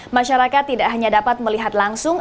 masyarakat tidak hanya dapat melihat langsung